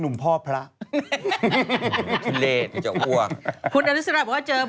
มันล่อซื้อ